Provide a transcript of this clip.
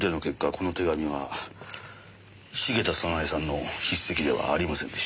この手紙は茂田早奈江さんの筆跡ではありませんでした。